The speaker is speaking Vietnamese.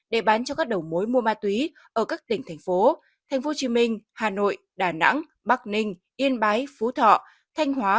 để bán cho các đầu mối mua ma túy ở các tỉnh thành phố tp hcm hà nội đà nẵng bắc ninh yên bái phú thọ thanh hóa